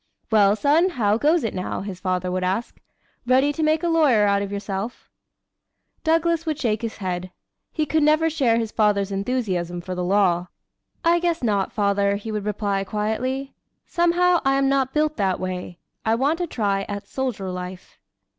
"Well, son, how goes it now?" his father would ask. "Ready to make a lawyer out of yourself?" Douglas would shake his head. He could never share his father's enthusiasm for the law. "I guess not, father," he would reply quietly. "Somehow, I am not built that way. I want a try at soldier life."